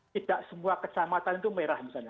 tidak semua kecamatan itu merah misalnya